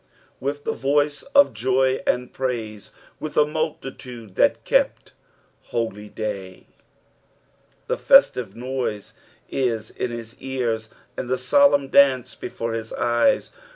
" With the voice oj" joy and praiee, leith a multitude that kept holyday." The festive noise is in his ears, and the solemn dance before his eyes.